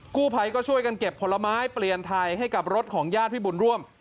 กู้ภัยก็ช่วยกันเก็บผลไม้เปลี่ยนไทยให้กับรถของญาติพี่บุญร่วม